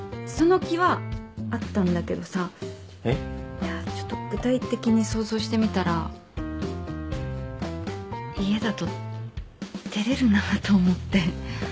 いやちょっと具体的に想像してみたら家だと照れるなと思って。